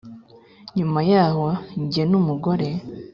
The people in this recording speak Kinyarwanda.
Nyuma yaho jye n umugore